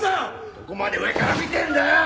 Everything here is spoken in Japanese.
どこまで上から見てんだよ！